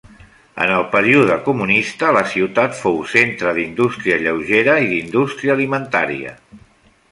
En el període comunista la ciutat fou centre d'indústria lleugera i d'indústria alimentaria.